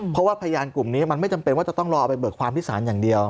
เพราะว่าพยานกลุ่มนี้มันไม่จำเป็นว่าจะต้องรอเอาไปเบิกความที่ศาลอย่างเดียว